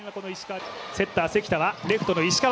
セッター、関田はレフトの石川。